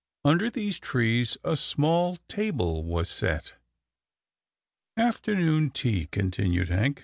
Under these trees, a small table was set. " Afternoon tea," continued Hank.